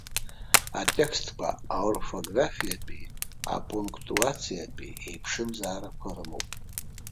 Атекстқәа аорфографиатәии апунктуациатәии еиԥшымзаарақәа рымоуп.